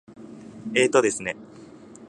えーとですね。